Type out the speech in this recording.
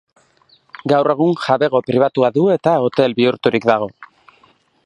Gaur egun jabego pribatua du eta hotel bihurturik dago.